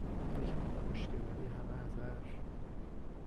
یه کم خشکه ولی همه ازش